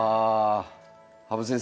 羽生先生